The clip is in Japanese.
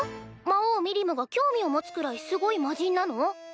魔王ミリムが興味を持つくらいすごい魔人なの？